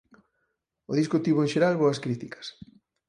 O disco tivo en xeral boas críticas.